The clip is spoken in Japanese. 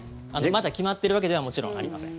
まだ決まっているわけではもちろんありません。